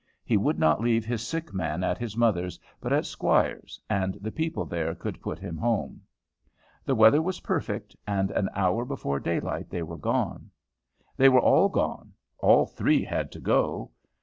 He would not leave his sick man at his mother's, but at Squire's, and the people there could put him home. The weather was perfect, and an hour before daylight they were gone. They were all gone, all three had to go.